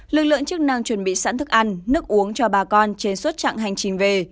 lực lượng chức năng chuẩn bị sẵn thức ăn nước uống cho bà con trên suốt chặng hành trình về